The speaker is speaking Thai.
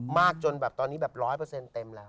มากจนแบบตอนนี้แบบร้อยเปอร์เซ็นต์เต็มแล้ว